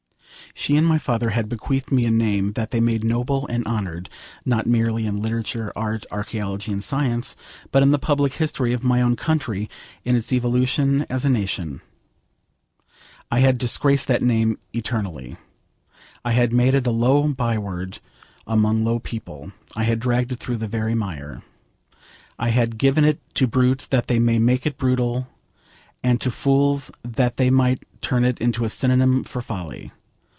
She and my father had bequeathed me a name they had made noble and honoured, not merely in literature, art, archaeology, and science, but in the public history of my own country, in its evolution as a nation. I had disgraced that name eternally. I had made it a low by word among low people. I had dragged it through the very mire. I had given it to brutes that they might make it brutal, and to fools that they might turn it into a synonym for folly.